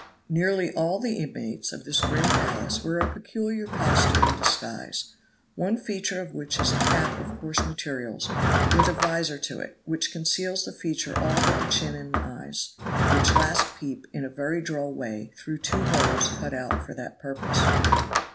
Nearly all the inmates of this grim palace wear a peculiar costume and disguise, one feature of which is a cap of coarse materials, with a vizor to it, which conceals the features all but the chin and the eyes, which last peep, in a very droll way, through two holes cut for that purpose.